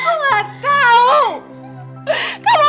kamu gak liat aku lagi berduka